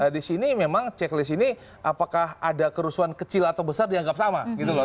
di sini memang checklist ini apakah ada kerusuhan kecil atau besar dianggap sama gitu loh